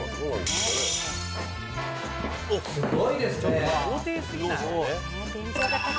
すごいですね。